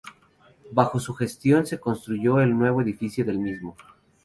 Bajo su gestión se construyó el nuevo edificio del mismo.